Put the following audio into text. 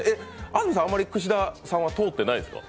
安住さん、あまり串田さんは通っていないですか？